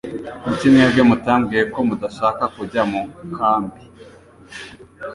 Kuki mwebwe mutambwiye ko mudashaka kujya mukambi?